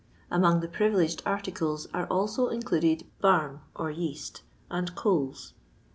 Among the privileged articles are also included barm or yeast, and coals.